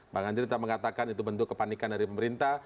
bang andri tetap mengatakan itu bentuk kepanikan dari pemerintah